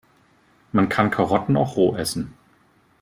Man kann Karotten auch roh essen.